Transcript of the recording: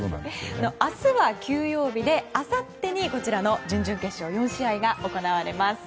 明日は休養日であさってに、準々決勝４試合が行われます。